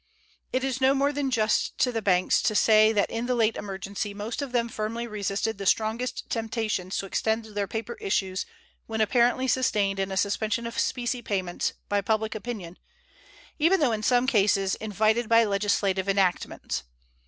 It is no more than just to the banks to say that in the late emergency most of them firmly resisted the strongest temptations to extend their paper issues when apparently sustained in a suspension of specie payments by public opinion, even though in some cases invited by legislative enactments.